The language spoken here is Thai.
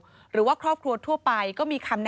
พบหน้าลูกแบบเป็นร่างไร้วิญญาณ